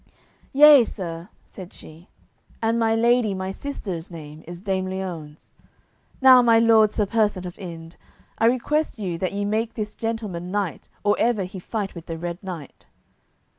"Yea, sir," said she, "and my lady my sister's name is Dame Liones. Now, my lord Sir Persant of Inde, I request you that ye make this gentleman knight or ever he fight with the Red Knight."